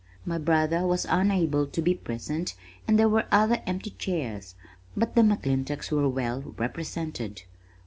My brother was unable to be present and there were other empty chairs, but the McClintocks were well represented.